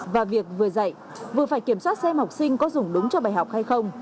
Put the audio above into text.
và việc vừa dạy vừa phải kiểm soát xem học sinh có dùng đúng cho bài học hay không